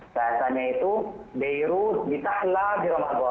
masanya itu beirut ditaklah di ramadan